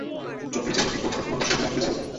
যুদ্ধের জন্য কি, ক্রোটরা তোমার বাসায় বোমা ফেলেছিল?